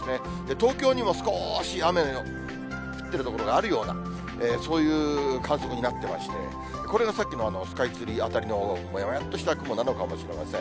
東京にも、少し雨が降っている所があるような、そういう観測になってまして、これがさっきのスカイツリー辺りのもやもやっとした雲なのかもしれません。